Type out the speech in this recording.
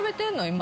今。